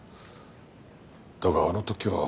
だがあの時は。